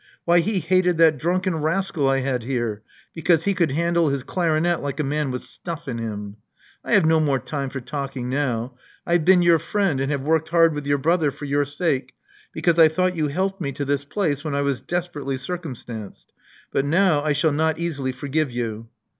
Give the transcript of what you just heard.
Why, he hated that drunken rascal I had here, because he could handle his clarinet . like a man with stuff in him. 1 have no more time for talking now. I have been your friend and have worked hard with your brother for your sake, because I thought you helped me to this place when I was desperately circumstanced. But now I shall not easily forgive you."